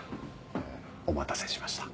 お待たせしました。